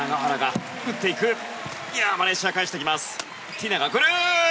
ティナが来る！